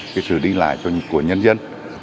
cái sự đi lại của nhân dân